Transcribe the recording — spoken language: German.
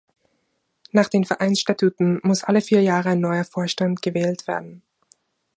Nach den Vereinsstatuten muss alle vier Jahre ein neuer Vorstand gewählt werden.